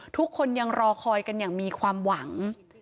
ทุกคนยังรอคอยกันอย่างมีความหวัง